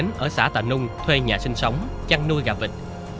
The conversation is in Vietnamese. họ đã đến ở xã tà nung thuê nhà sinh sống chăn nuôi gà vịt